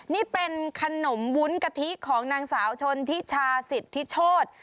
นี่เป็นขนมวุ้นกะทิของนางสาวชนทิชาสิทธิโชธ